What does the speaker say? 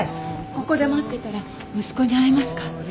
ここで待っていたら息子に会えますか？